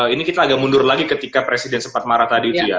ini kita agak mundur lagi ketika presiden sempat marah tadi itu ya